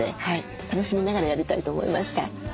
楽しみながらやりたいと思いました。